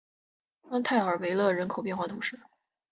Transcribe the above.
潘泰尔维勒人口变化图示